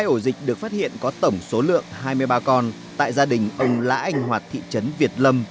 hai ổ dịch được phát hiện có tổng số lượng hai mươi ba con tại gia đình ông lã anh hoạt thị trấn việt lâm